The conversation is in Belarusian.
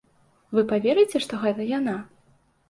Вы паверыце, што гэта яна?